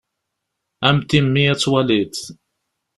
A mm timmi ad twaliḍ.